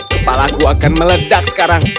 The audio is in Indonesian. kepalaku akan meledak sekarang